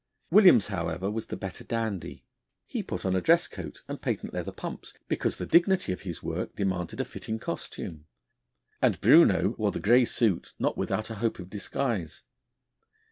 Williams, however, was the better dandy; he put on a dress coat and patent leather pumps because the dignity of his work demanded a fitting costume. And Bruneau wore the grey suit not without a hope of disguise.